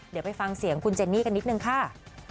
เดี๋ยวไปฟังเสียงคุณเจนนี่กันนิดนึงค่ะ